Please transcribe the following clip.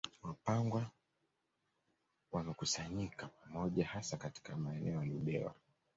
Wapangwa wamekusanyika pamoja hasa katika maeneo ya Ludewa